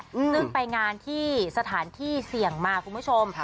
ซึ่งไปงานที่สถานที่เสี่ยงมาคุณผู้ชม